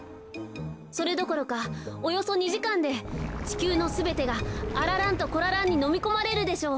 それどころかおよそ２じかんでちきゅうのすべてがあら蘭とこら蘭にのみこまれるでしょう。